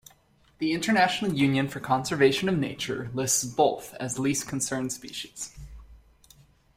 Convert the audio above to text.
The International Union for Conservation of Nature lists both as least-concern species.